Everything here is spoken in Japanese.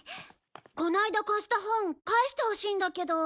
この間貸した本返してほしいんだけど。